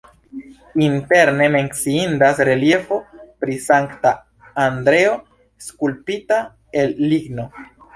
Interne menciindas reliefo pri Sankta Andreo skulptita el ligno.